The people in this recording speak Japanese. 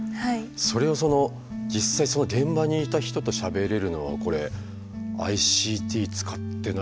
それをその実際その現場にいた人としゃべれるのはこれＩＣＴ使ってないとできなかったことだよね。